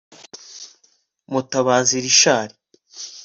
Mutabazi Richard